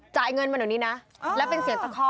จ่ายเงินมาเดี๋ยวนี้นะแล้วเป็นเสียงตะข้อ